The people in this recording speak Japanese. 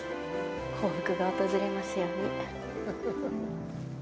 幸福が訪れますように。